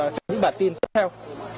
trong những bản tin tiếp theo